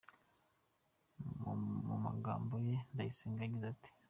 Mu gamabo ye Ndayisenga yagize ati;.